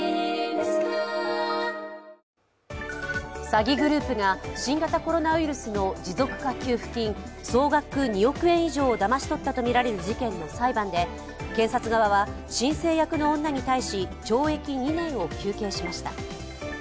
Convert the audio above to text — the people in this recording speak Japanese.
詐欺グループが新型コロナウイルスの持続化給付金総額２億円以上をだまし取ったとみられる事件の裁判で検察側は、申請役の女に対し懲役２年を求刑しました。